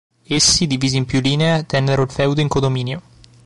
Essi, divisi in più linee, tennero il feudo in condominio.